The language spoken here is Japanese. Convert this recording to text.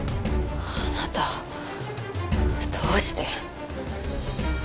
あなたどうして？